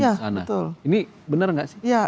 di sana iya betul ini benar gak sih